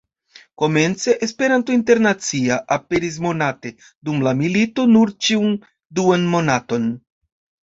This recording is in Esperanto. Komence "Esperanto Internacia" aperis monate, dum la milito nur ĉiun duan monaton.